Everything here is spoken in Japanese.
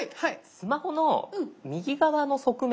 スマホの右側の側面。